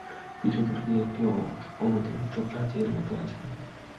কিছুদূর গিয়া একটা অনতিউচ্চ প্রাচীরের মতো আছে।